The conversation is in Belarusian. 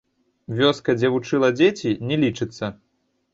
Вёска, дзе вучыла дзеці, не лічыцца.